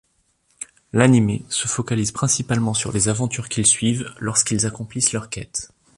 L'anime se focalise principalement sur les aventures qu'ils suivent lorsqu'ils accomplissent leur quête.